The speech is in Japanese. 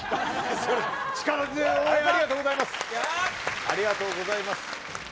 力強い応援ありがとうございます。